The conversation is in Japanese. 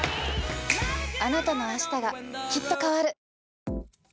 あなたのあしたがきっと変わる。